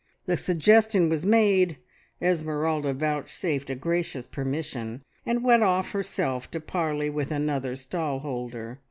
The suggestion was made, Esmeralda vouchsafed a gracious permission, and went off herself to parley with another stall holder.